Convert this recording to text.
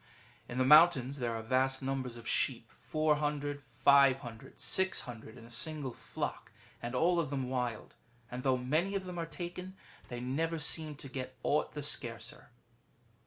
^ [In the mountains there are vast numbers of sheep — 400, 500, or 600 in a single flock, and all of them wild ; and though many of them are taken, they never seem to get aught the scarcer.